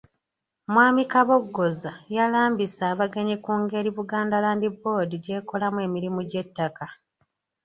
Mwami Kabogoza yalambise abagenyi ku ngeri Buganda Land Board gy’ekolamu emirimu gy’ettaka.